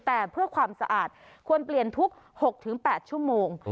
แต่เพื่อความสะอาดควรเปลี่ยนทุก๖๘ชั่วโมง